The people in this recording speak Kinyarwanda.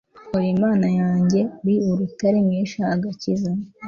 uri imana yanjye, uri urutare nkesha agakiza